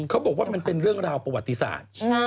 เขาบอกว่ามันเป็นเรื่องราวประวัติศาสตร์